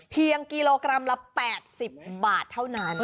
เพียงกิโลกรัมละ๘๐บาทเท่านั้น